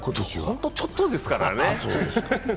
ホントちょっとですからね。